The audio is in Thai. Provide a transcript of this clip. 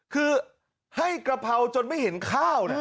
คือให้กะเพราจนไม่เห็นข้าวนะ